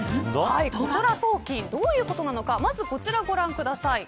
ことら送金、どういうことなのかまずこちらをご覧ください。